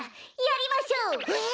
やりましょう！え！？